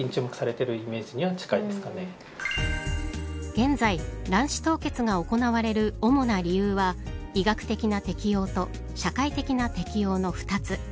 現在、卵子凍結が行われる主な理由は医学的な適応と社会的な適用の２つ。